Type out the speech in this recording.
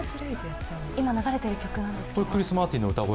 今流れている曲なんですけど。